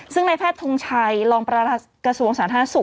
ซึ่งในแพทย์ทุงชัยรองพระราชกระสูญสหรัฐนาสุข